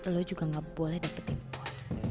lo juga gak boleh dapetin uang